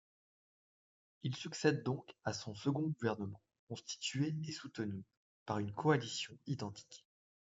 Il succède donc à son second gouvernement, constitué et soutenu par une coalition identique.